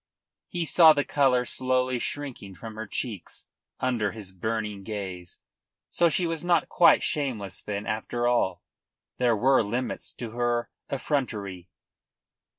He saw the colour slowly shrinking from her cheeks under his burning gaze. So she was not quite shameless then, after all. There were limits to her effrontery.